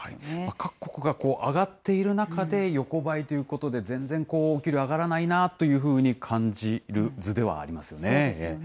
各国が上がっている中で、横ばいということで、全然お給料上がらないなというふうに感じる図ではありますよね。